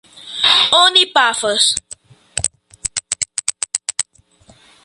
Oni pafas.